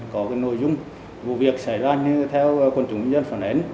có nội dung vụ việc xảy ra như theo quân chủng dân phản ánh